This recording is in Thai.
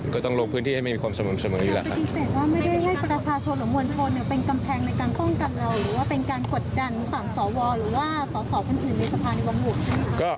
ก็ต้องลงพื้นที่ให้มีความสมมุมสมมุมอยู่แล้วค่ะ